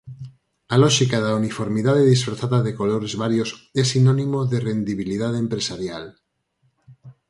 A lóxica da uniformidade disfrazada de colores varios é sinónimo de rendibilidade empresarial.